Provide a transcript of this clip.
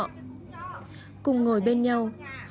cùng ngồi bên nhau tất cả những người đồng cành ngộ đã gắn kết họ